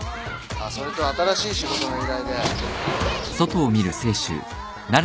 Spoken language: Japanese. あっそれと新しい仕事の依頼で。